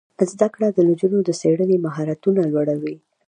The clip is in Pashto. زده کړه د نجونو د څیړنې مهارتونه لوړوي.